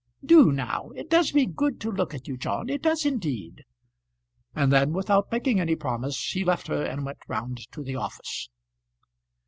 Do now. It does me good to look at you, John; it does indeed." And then, without making any promise, he left her and went round to the office.